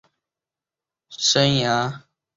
卡夏在俄斯特拉发开始他的职业生涯。